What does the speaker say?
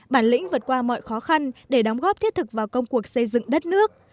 bản lĩnh vượt qua mọi khó khăn để đóng góp thiết thực vào công cuộc xây dựng đất nước